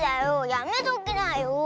やめときなよ。